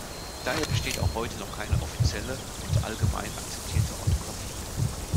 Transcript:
Daher besteht auch heute noch keine offizielle und allgemein akzeptierte Orthographie.